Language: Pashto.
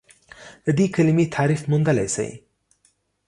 د دې کلمې تعریف موندلی شئ؟